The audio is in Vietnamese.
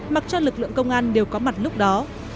mặc cho lực lượng công an đều có mặt lúc đó